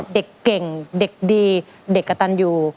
เด็กเก่งเด็กดีเด็กกระตันอยู่